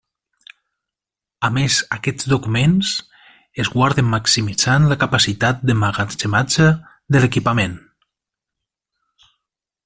A més aquests documents es guarden maximitzant la capacitat d'emmagatzematge de l'equipament.